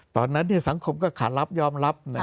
ตอนนั้นเนี่ยสังคมก็ขาดรับยอมรับนะครับ